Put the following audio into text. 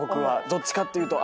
どっちかっていうと。